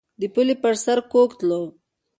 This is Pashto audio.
د پولې پر سر کوږ تلو.